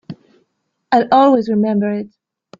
I'll always remember it.